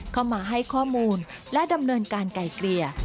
เข้ามาให้ข้อมูลและดำเนินการไกลเกลี่ย